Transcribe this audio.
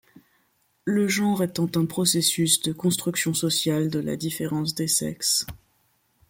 Le genre étant un processus de construction sociale de la différence des sexes.